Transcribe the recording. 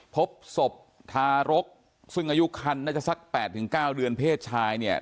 พบศพทารกซึ่งอายุคันน่าจะสัก๘๙เดือนเพศชายเนี่ย